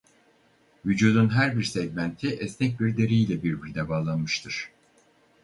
Vücudun her bir segmenti esnek bir deriyle birbirine bağlanmıştır.